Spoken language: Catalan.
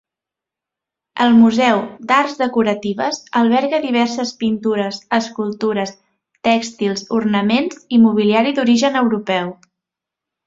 El Museu d'Arts Decoratives alberga diverses pintures, escultures, tèxtils, ornaments i mobiliari d'origen europeu.